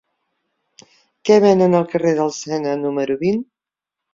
Què venen al carrer del Sena número vint?